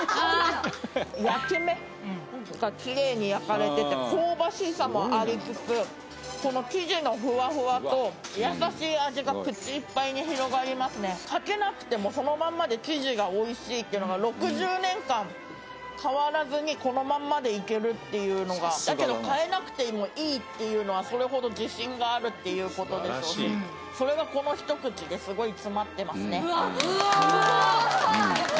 焼き目がきれいに焼かれてて香ばしさもありつつこの生地のフワフワと優しい味が口いっぱいに広がりますねかけなくてもそのまんまで生地がおいしいってのが６０年間変わらずにこのまんまでいけるっていうのがだけど変えなくてもいいっていうのはそれほど自信があるっていうことでしょうしうわっうわ